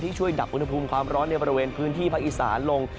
ช่วยดับอุณหภูมิความร้อนในบริเวณพื้นที่ภาคอีสานลง